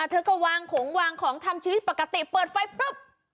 เธอก็วางของวางของทำชีวิตปกติเปิดไฟปุ๊บ